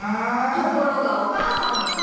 ところがお母さんがさ